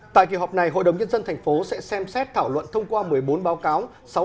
tại kỳ họp này hội đồng nhân dân tp sẽ xem xét thảo luận thông qua một mươi bốn báo cáo